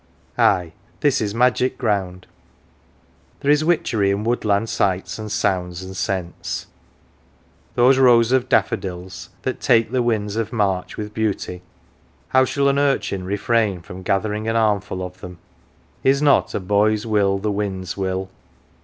Ay, this is magic ground; there is witchery in woodland sights and sounds and scents. Those rows of daffodils that " take the winds of March with beauty " how shall an urchin refrain from gathering an armful of them is not " a boy's will the wind's will